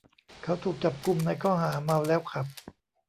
เขาถูกจับกุมในข้อหาเมาแล้วขับ